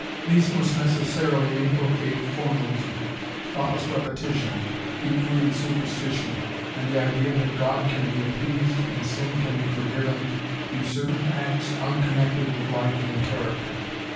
These must necessarily inculcate formalism, thoughtless repetition, deep rooted superstition, and the idea that God can be appeased and sin can be forgiven through certain acts unconnected with life and character.